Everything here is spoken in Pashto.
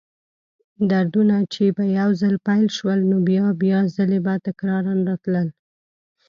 دردونه چې به یو ځل پیل شول، نو بیا بیا ځلې به تکراراً راتلل.